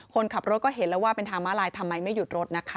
คนขับรถก็เห็นแล้วว่าเป็นทางม้าลายทำไมไม่หยุดรถนะคะ